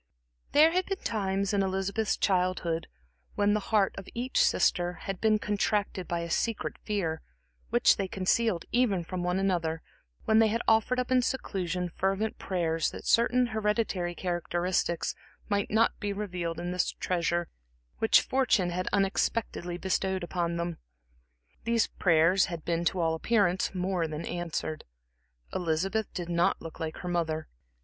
There had been times in Elizabeth's childhood when the heart of each sister had been contracted by a secret fear, which they concealed even from one another, when they had offered up in seclusion fervent prayers that certain hereditary characteristics might not be revived in this treasure which fortune had unexpectedly bestowed upon them. These prayers had been to all appearance more than answered. Elizabeth did not look like her mother.